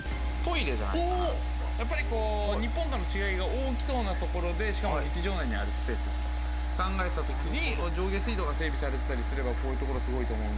やっぱり日本との違いが大きそうな所でしかも劇場内にある施設だと考えた時に上下水道が整備されてたりすればこういう所すごいと思うんで。